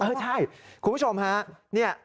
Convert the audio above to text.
ใช่คุณผู้ชมฮะ